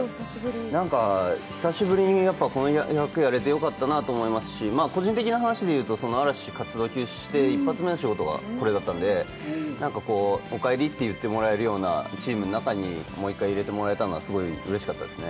何か久しぶりに、この役やれてよかったなと思いますし個人的な話でいうと、嵐の活動休止して一発目の仕事がこれだったんで、お帰りと言ってもらえるようなチームの中にもう一回入れてもらえたのはうれしかったですね。